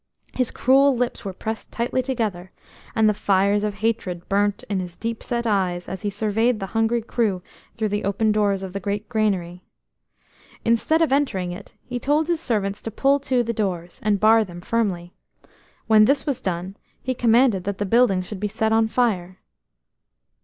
His cruel lips were pressed tightly together, and the fires of hatred burnt in his deep set eyes as he surveyed the hungry crew through the open doors of the great granary. Instead of entering it, he told his servants to pull to the doors, and bar them firmly. When this was done, he commanded that the building should be set on fire.